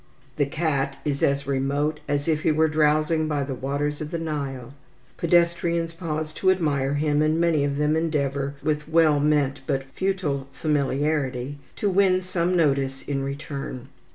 The cat is as remote as if he were drowsing by the waters of the Nile. Pedestrians pause to admire him, and many of them endeavour, with well meant but futile familiarity, to win some notice in return.